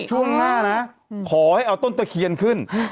ช่วงหน้านะขอให้เอาต้นตะเคียนขึ้น